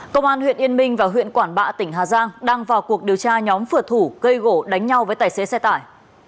công an huyện yên minh và huyện quản bạ tỉnh hà giang đang vào cuộc điều tra nhóm phượt thủ gây gỗ đánh nhau với tài xế xe tải